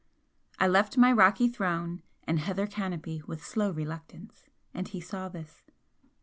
I left my rocky throne and heather canopy with slow reluctance, and he saw this.